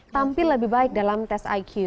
tampil lebih baik dalam tes iq